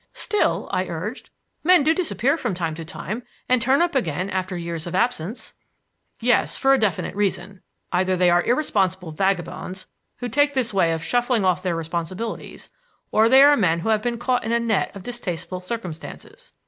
"Still," I urged, "men do disappear from time to time, and turn up again after years of absence." "Yes, but for a definite reason. Either they are irresponsible vagabounds who take this way of shuffling off their responsibilities, or they are men who have been caught in a net of distasteful circumstances.